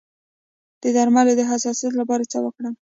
د درملو د حساسیت لپاره باید څه وکړم؟